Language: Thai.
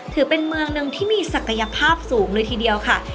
ถือเป็นเมืองหนึ่งที่มีศักยภาพสูงเลยทีเดียวค่ะ